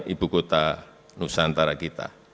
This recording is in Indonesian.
ibu kota nusantara kita